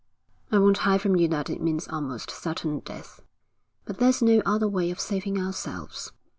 'I won't hide from you that it means almost certain death. But there's no other way of saving ourselves.